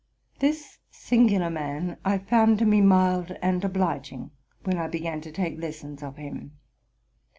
This singular man I found to be mild and obliging when I began to take lessons of him.